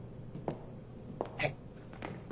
はい。